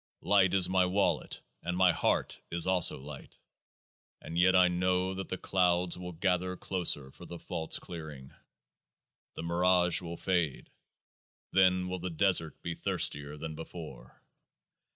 Light is my wallet, and my heart is also light ; and yet I know that the clouds will gather closer for the false clearing. The mirage will fade ; then will the desert be thirstier than before.